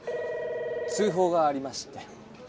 通ほうがありまして。